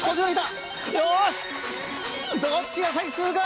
よしどっちが先釣るか？